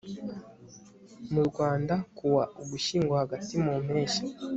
mu rwanda kuwa ugushyingo hagati mu mpeshyi